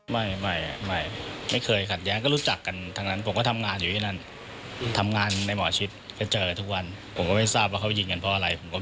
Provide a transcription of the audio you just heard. ไม่ไม่ไม่เคยขัดแย้งก็รู้จักกันทั้งนั้นผมก็ทำงานอยู่ที่นั่นทำงานในหมอชิดก็เจอทุกวันผมก็ไม่ทราบว่าเขายิงกันเพราะอะไร